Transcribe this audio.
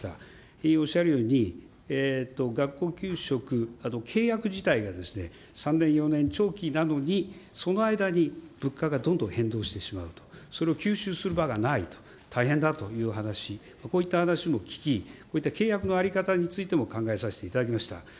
委員おっしゃるように、学校給食、契約自体が３年、４年、長期なのに、その間に物価がどんどん変動してしまうと、それを吸収する場がない、大変だという話、こういった話も聞き、こういった契約の在り方についても考えさせていただきました。